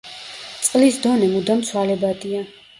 წყლის დონე მუდამ ცვალებადია.